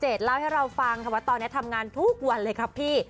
เล่าให้เราฟังค่ะว่าตอนนี้ทำงานทุกวันเลยครับพี่